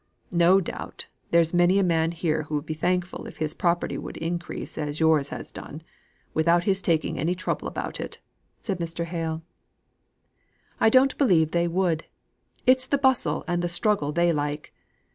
No doubt there is many a man here who would be thankful if his property would increase as yours has done, without his taking any trouble about it," said Mr. Hale. "I don't believe they would. It's the bustle and the struggle they like.